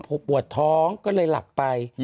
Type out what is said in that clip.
พอปวดท้องก็เลยหลับไป